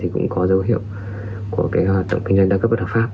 cũng có dấu hiệu của hoạt động kinh doanh đa cấp bất hợp pháp